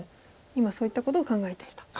今そういったことを考えていると。